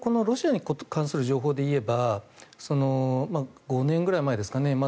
ロシアに関する情報でいえば５年ぐらい前ですかね。